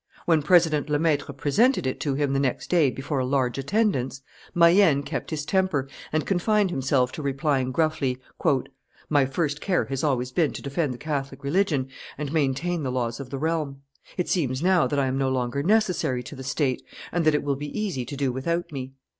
When President Lemaitre presented it to him the next day before a large attendance, Mayenne kept his temper, and confined himself to replying gruffly, "My first care has always been to defend the Catholic religion and maintain the laws of the realm. It seems now that I am no longer necessary to the state, and that it will be easy to do without me.